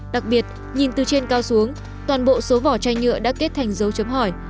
đặc biệt nhìn từ trên cao xuống toàn bộ số vỏ chai nhựa đã kết thành dấu chấm hỏi